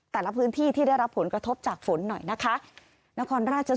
แต่ละพื้นที่ที่ได้รับผลกระทบจากฝนหน่อยนะคะ